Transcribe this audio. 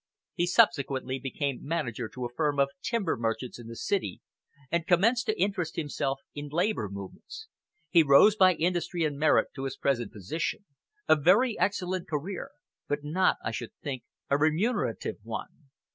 He subsequently became manager to a firm of timber merchants in the city and commenced to interest himself in Labour movements. He rose by industry and merit to his present position a very excellent career, but not, I should think, a remunerative one.